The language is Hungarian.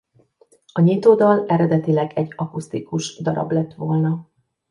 A nyitódal eredetileg egy akusztikus darab lett volna.